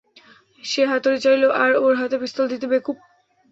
সে হাতুড়ি চাইলো, আর ওর হাতে পিস্তল দিতে, বেকুব!